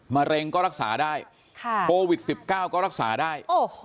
มะเร็งก็รักษาได้โควิด๑๙ก็รักษาได้